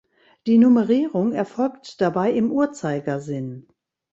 Die Nummerierung erfolgt dabei im Uhrzeigersinn.